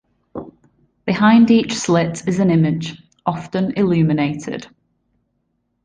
Behind each slit is an image, often illuminated.